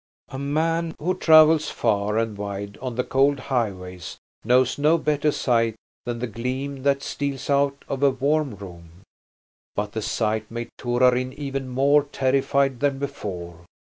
A man who travels far and wide on the cold highway knows no better sight than the gleam that steals out of a warm room. But the sight made Torarin even more terrified than before.